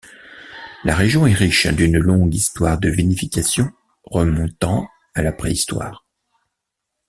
La région est riche d'une longue histoire de vinification remontant à la préhistoire.